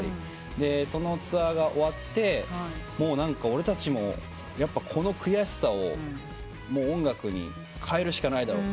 でそのツアーが終わって俺たちもこの悔しさを音楽に変えるしかないだろうと。